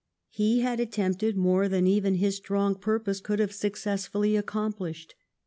He had attempted more than even his strong purpose could have successfully accomplislied.